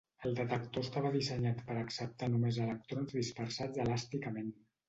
El detector estava dissenyat per acceptar només electrons dispersats elàsticament.